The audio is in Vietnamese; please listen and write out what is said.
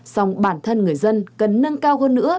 xong bản thân người dân cần nâng cao hơn nữa